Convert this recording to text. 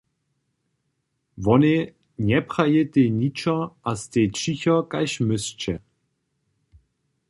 Wonej njeprajitej ničo a stej ćicho kaž myšce.